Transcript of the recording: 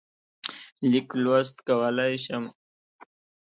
لیک لوست کولای شم.